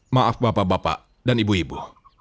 maaf bapak bapak dan ibu ibu